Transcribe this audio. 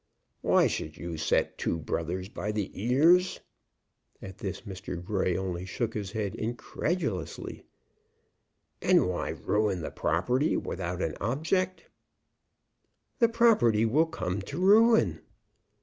"Why should you set two brothers by the ears?" At this Mr. Grey only shook his head incredulously. "And why ruin the property without an object?" "The property will come to ruin."